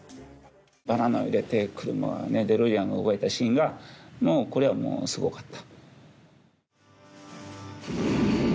バナナを入れて車ねデロリアンが動いたシーンがもうこれはもうすごかった